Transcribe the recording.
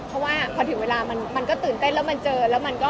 เพราะว่าพอถึงเวลามันก็ตื่นเต้นแล้วมันเจอแล้วมันก็